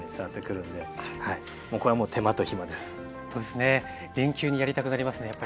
連休にやりたくなりますね。